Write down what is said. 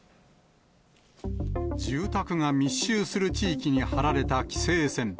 住宅が密集する地域に張られた規制線。